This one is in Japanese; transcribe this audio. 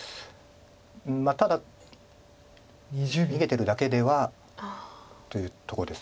ただ逃げてるだけではというとこです。